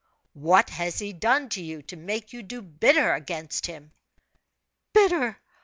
"What has he done to you to make you do bitter against him?" "Bitter!